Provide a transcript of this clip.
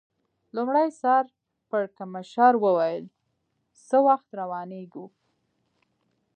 لومړي سر پړکمشر وویل: څه وخت روانېږو؟